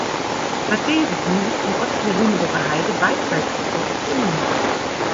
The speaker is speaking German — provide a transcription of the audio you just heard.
Bad Bevensen liegt im Osten der Lüneburger Heide beidseits des Flusses Ilmenau.